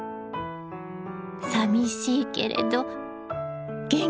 さみしいけれど元気でね。